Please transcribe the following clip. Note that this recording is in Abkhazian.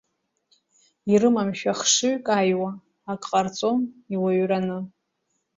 Ирымамшәа хшыҩк аиуа, ак ҟарҵом иуаҩраны.